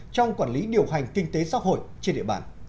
trong quản lý điều hành kinh tế xã hội trên địa bàn